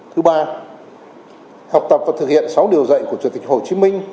thứ ba học tập và thực hiện sáu điều dạy của chủ tịch hồ chí minh